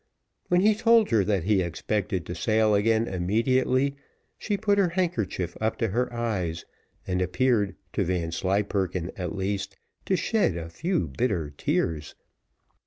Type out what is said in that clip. When he told her that he expected to sail again immediately, she put her handkerchief up to her eyes, and appeared, to Vanslyperken at least, to shed a few bitter tears.